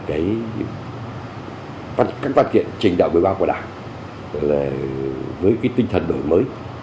các văn kiện trình đại hội một mươi ba của đảng với cái tinh thần đổi mới